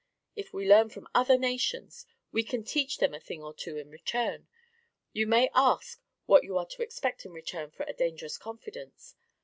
If we learn from other nations, we can teach them a thing or two in return. You may ask what you are to expect in return for a dangerous confidence.